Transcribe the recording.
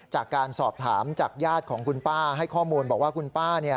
จากการสอบถามจากญาติของคุณป้าให้ข้อมูลบอกว่าคุณป้า